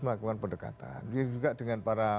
melakukan perdekatan ini juga dengan para